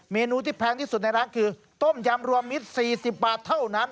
เมนูที่แพงที่สุดในร้านคือต้มยำรวมมิตร๔๐บาทเท่านั้น